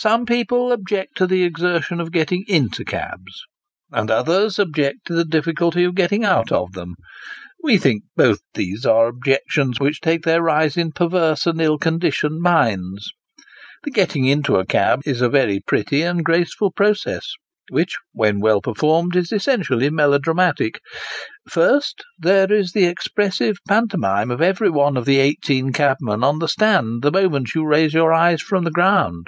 Some people object to the exertion of getting into cabs, and others object to the difficulty of getting out of them ; we think both these are objections which take their rise in perverse and ill conditioned minds. The getting into a cab is a very pretty and graceful process, which, when well performed, is essentially melodramatic. First, there is the expressive pantomine of every one of the eighteen cabmen on the stand, the moment you raise your eyes from the ground.